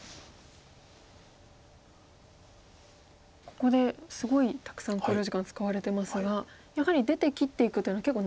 ここですごいたくさん考慮時間使われてますがやはり出て切っていくというのは結構難解になりそう。